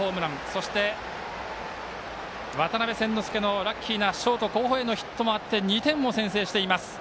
そして、渡邉千之亮のラッキーなショート後方へのヒットがあって２点を先制しています。